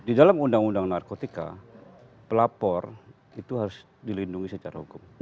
di dalam undang undang narkotika pelapor itu harus dilindungi secara hukum